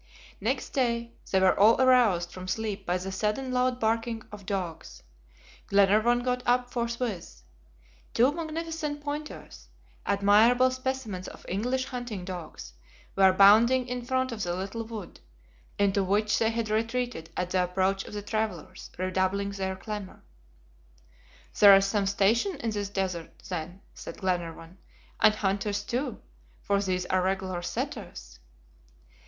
Next day, they were all aroused from sleep by the sudden loud barking of dogs, Glenarvan got up forthwith. Two magnificent pointers, admirable specimens of English hunting dogs, were bounding in front of the little wood, into which they had retreated at the approach of the travelers, redoubling their clamor. "There is some station in this desert, then," said Glenarvan, "and hunters too, for these are regular setters."